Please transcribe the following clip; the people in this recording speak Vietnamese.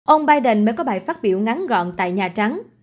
ông biden mới có bài phát biểu ngắn gọn tại nhà trắng